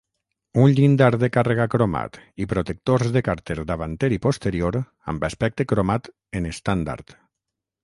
Un llindar de càrrega cromat i protectors de càrter davanter i posterior amb aspecte cromat en estàndard.